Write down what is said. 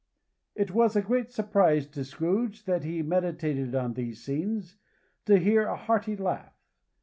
It was a great surprise to Scrooge, as he meditated on these scenes, to hear a hearty laugh.